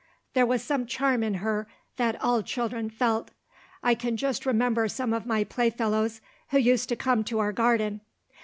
There was some charm in her that all children felt. I can just remember some of my playfellows who used to come to our garden.